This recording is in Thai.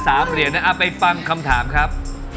เหรียญนะเอาไปฟังคำถามครับ